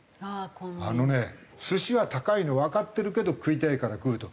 あのね寿司は高いのわかってるけど食いたいから食うと。